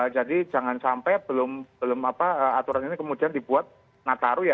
jadi jangan sampai belum apa aturan ini kemudian dibuat nataru ya